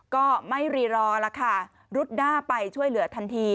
ก็ไม่รีรอล่ะค่ะรุดหน้าไปช่วยเหลือทันที